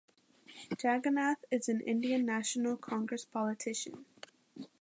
Jagannath is an Indian National Congress politician.